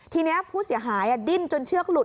ทีนี้ผู้เสียหายดิ้นจนเชือกหลุด